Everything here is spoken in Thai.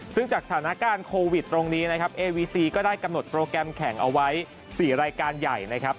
ซึ่งจากสถานการณ์โควิดตรงนี้นะครับเอวีซีก็ได้กำหนดโปรแกรมแข่งเอาไว้๔รายการใหญ่นะครับ